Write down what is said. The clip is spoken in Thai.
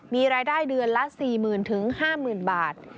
มีรายได้เดือนละ๔๐๐๐๕๐๐๐บาท